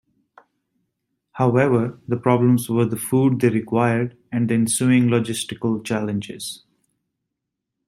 However, the problems were the food they required and the ensuing logistical challenges.